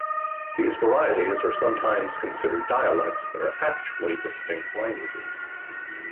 These varieties are sometimes considered dialects but are actually distinct languages.